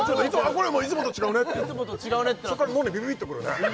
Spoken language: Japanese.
これいつもと違うねってそっから脳にビビッとくるね